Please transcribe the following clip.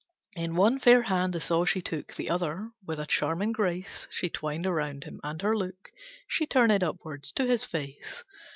In one fair hand the saw she took, The other with a charming grace She twined around him, and her look She turnèd upwards to his face.